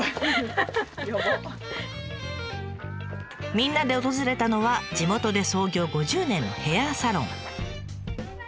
みんなで訪れたのは地元で創業５０年のヘアサロン。